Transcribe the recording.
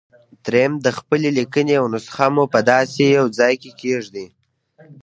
درېيم د خپلې ليکنې يوه نسخه مو په داسې يوه ځای کېږدئ.